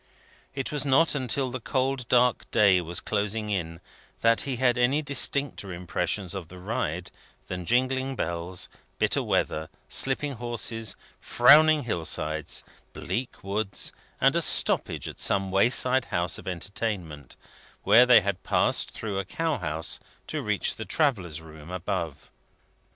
It was not until the cold dark day was closing in, that he had any distincter impressions of the ride than jingling bells, bitter weather, slipping horses, frowning hill sides, bleak woods, and a stoppage at some wayside house of entertainment, where they had passed through a cow house to reach the travellers' room above.